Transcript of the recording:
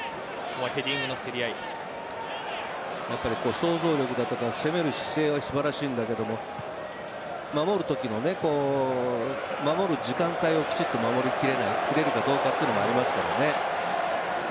想像力だとか、攻める姿勢は素晴らしいんだけど守るだけの守る時間帯をきちっと守り切れるかどうかというのもありますからね。